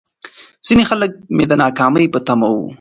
ځيني خلک مې د ناکامۍ په تمه وو.